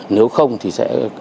nếu không thì sẽ